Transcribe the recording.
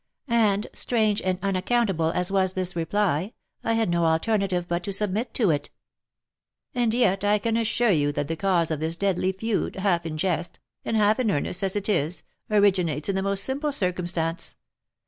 And, strange and unaccountable as was this reply, I had no alternative but to submit to it." "And yet I can assure you that the cause of this deadly feud, half in jest, and half in earnest as it is, originates in the most simple circumstance.